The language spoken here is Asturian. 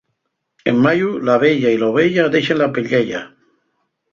En mayu, l'abeya y la oveya dexen la pelleya.